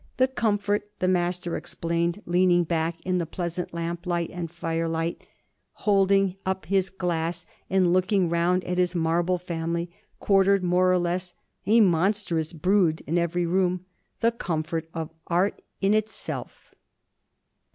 The comfort,' the Master explained, leaning back in the pleasant lamplight and firelight, holding up his glass and looking round at his marble family, quartered more or less, a monstrous brood, in every room 'the comfort of art in itself!'